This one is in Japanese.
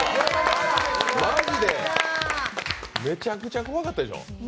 マジでめちゃくちゃ怖かったでしょ？